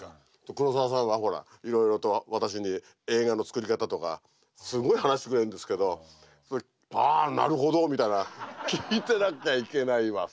黒澤さんはほらいろいろと私に映画の作り方とかすごい話してくれるんですけどああなるほどみたいな聞いてなきゃいけないわさ。